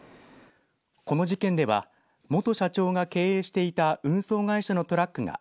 この事件では元社長が経営していた運送会社のトラックが